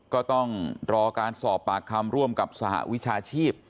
ก็ต้องรอการสอบปากคำร่วมกับสหวิชาชีพ